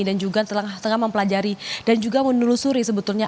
dan juga tengah mempelajari dan juga menelusuri sebetulnya